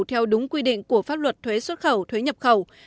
theo đúng quy định của pháp luật thuế xuất khẩu thuế nhập khẩu